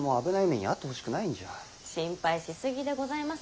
心配し過ぎでございます。